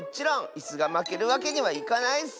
いすがまけるわけにはいかないッス！